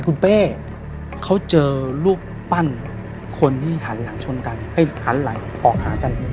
คุณเป้เขาเจอรูปปั้นคนที่หันหลังชนกันให้หันหลังออกหากันเนี่ย